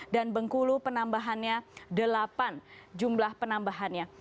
dan bengkulu penambahannya delapan jumlah penambahannya